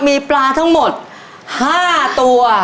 มีปลาทั้งหมด๕ตัว